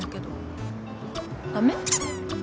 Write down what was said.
駄目？